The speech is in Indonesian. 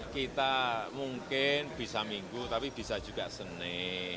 kita mungkin bisa minggu tapi bisa juga senin